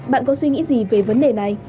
bạn có suy nghĩ gì về vấn đề này